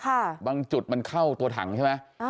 บางจุดมันเข้าตัวถังใช่ไหมอ่า